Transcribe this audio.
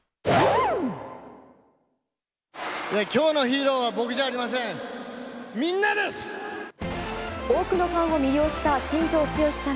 きょうのヒーローは僕じゃありません。